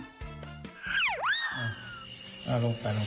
เอาลงไป